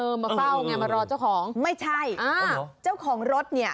มาเฝ้าไงมารอเจ้าของไม่ใช่อ่าเจ้าของรถเนี่ย